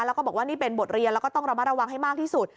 แล้วก็บอกว่านี่เป็นบทเรียนแล้วก็ต้องระมัดระวังให้มากที่สุด